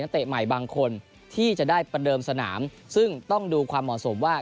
เตะใหม่บางคนที่จะได้ประเดิมสนามซึ่งต้องดูความเหมาะสมว่า